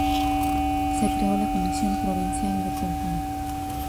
Se creó la Comisión Provincial de cultura.